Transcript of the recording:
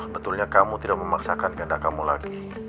betulnya kamu tidak memaksakan kehendak kamu lagi